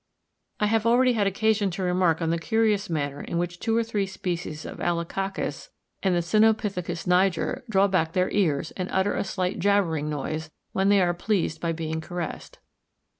16 17 I have already had occasion to remark on the curious manner in which two or three species of Alacacus and the Cynopithecus niger draw back their ears and utter a slight jabbering noise, when they are pleased by being caressed.